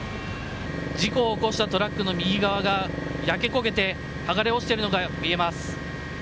事故を起こしたトラックの右側が焼け焦げて剥がれ落ちているのが見えます。